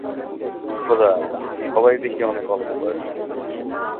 খোদা, সবাই দেখি অনেক অল্পবয়স্ক।